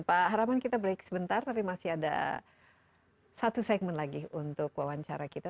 pak haraman kita break sebentar tapi masih ada satu segmen lagi untuk wawancara kita